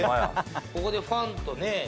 ここでファンとね。